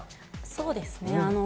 そうですね。